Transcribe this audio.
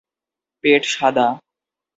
পেট সাদা।